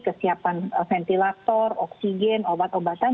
kesiapan ventilator oksigen obat obatan